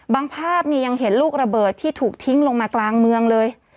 ภาพนี่ยังเห็นลูกระเบิดที่ถูกทิ้งลงมากลางเมืองเลย